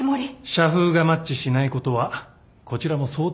社風がマッチしないことはこちらも想定しております。